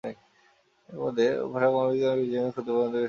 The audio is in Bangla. এরই মধ্যে পোশাক মালিকদের সংগঠন বিজিএমইএ ক্ষতিপূরণ দেওয়ার বিষয়ে পিছটান দিয়েছে।